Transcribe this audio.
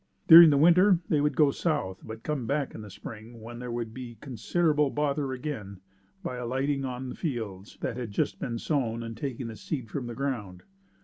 During the winter they would go south, but come back in the spring when they would be considerable bother again, by alighting on fields that had just been sown and taking the seed from the ground.